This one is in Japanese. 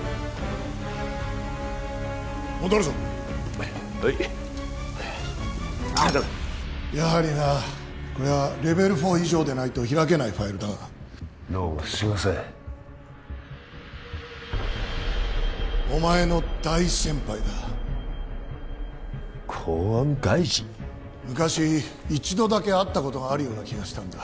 戻るぞはいああダメだやはりなこれはレベル４以上でないと開けないファイルだがどうもすいませんお前の大先輩だ公安外事昔一度だけ会ったことがあるような気がしたんだ